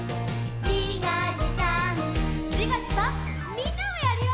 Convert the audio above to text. みんなもやるよ！